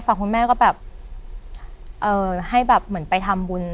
คุณแม่ก็แบบให้แบบเหมือนไปทำบุญ